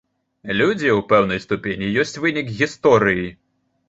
Людзі ў пэўнай ступені ёсць вынік гісторыі.